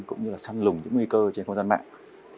cũng như là săn lùng những nguy cơ trên không gian mạng